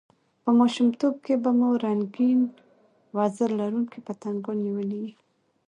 په ماشومتوب کښي به مو رنګین وزر لرونکي پتنګان نیولي يي!